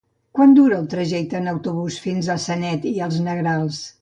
Quant dura el trajecte en autobús fins a Sanet i els Negrals?